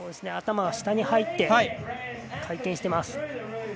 頭が下に入って回転してます。